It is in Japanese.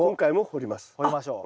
掘りましょう。